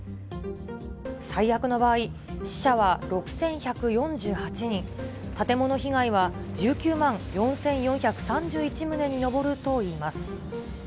最悪の場合、死者は６１４８人、建物被害は１９万４４３１棟に上るといいます。